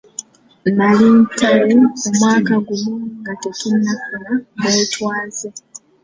Nali Ntale omwaka gumu nga tetunnafuna bwetwaze